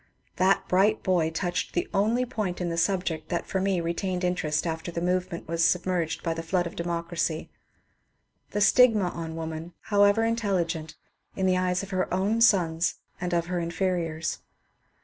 ^' That bright boy touched the only point in the subject that for me retained interest after the movement was submerged by the flood of democracy, — the stigma on woman, however intelli gent, in the eyes of her own sons and of her inferiors.